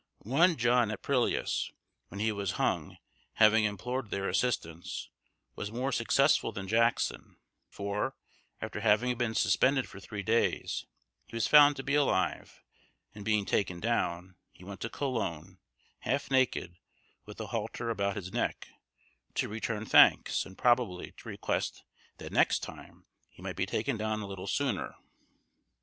One John Aprilius, when he was hung, having implored their assistance, was more successful than Jackson; for, after having been suspended for three days, he was found to be alive, and being taken down, he went to Cologne, half naked, with the halter about his neck, to return thanks, and, probably, to request that next time he might be taken down a little sooner.